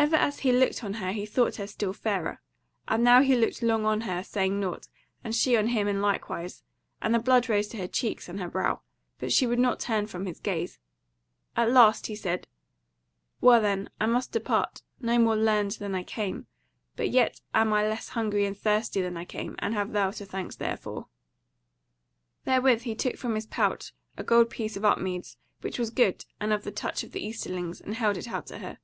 Ever as he looked on her he thought her still fairer; and now he looked long on her, saying nought, and she on him in likewise, and the blood rose to her cheeks and her brow, but she would not turn her from his gaze. At last he said: "Well then, I must depart, no more learned than I came: but yet am I less hungry and thirsty than I came; and have thou thanks therefor." Therewith he took from his pouch a gold piece of Upmeads, which was good, and of the touch of the Easterlings, and held it out to her.